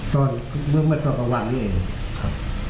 ตอนเมื่อเมื่อตอนประวัตินี้เองครับ